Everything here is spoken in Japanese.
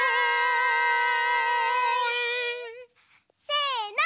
せの。